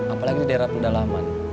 apalagi daerah pendalaman